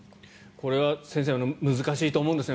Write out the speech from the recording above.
これは先生難しいと思うんですね。